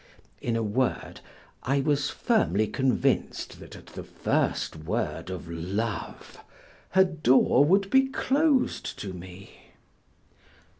In a word, I was firmly convinced that at the first word of love her door would be closed to me.